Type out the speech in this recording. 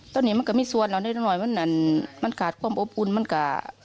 ตอนนี้มันก็มีส่วนเรานิดหน่อยมันขาดความอบอุ่นมันก็